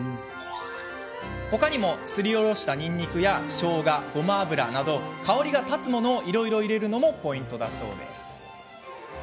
他にも、すりおろしにんにくやしょうが、ごま油と香りが立つものを、いろいろ入れるのもポイントだそう。